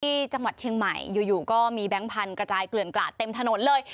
ที่จังหวัดเชียงใหม่อยู่ก็มีแบงค์พันธุ์กระจายเกลื่อนกลาดเต็มถนนเลย